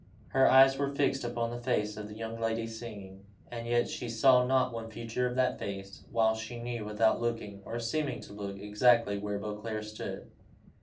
Her eyes were fixed upon the face of the young lady singing, and yet she saw not one feature of that face, while she knew, without looking, or seeming to look, exactly where Beauclerc stood.